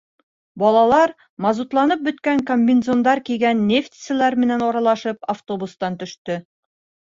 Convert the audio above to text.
Балалар, мазутланып бөткән комбинезондар кейгән нефтселәр менән аралашып, автобустан төштө.